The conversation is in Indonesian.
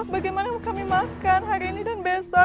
bagaimana kami makan hari ini dan besok